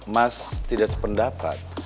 mas tidak sependapat